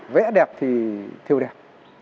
vẽ đẹp thì theo đẹp